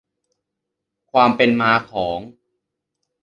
ความเป็นมาของ